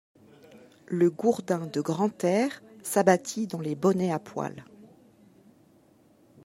Le gourdin de Grantaire s'abattit dans les bonnets à poil.